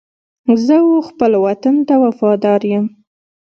زه و خپل وطن ته وفاداره یم.